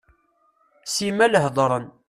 Simmal heddren.